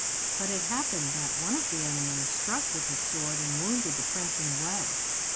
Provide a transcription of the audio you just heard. But it happened that one of the enemy struck with his sword and wounded the prince in the leg.